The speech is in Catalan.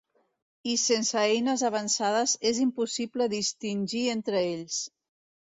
I sense eines avançades és impossible distingir entre ells.